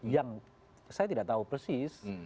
yang saya tidak tahu persis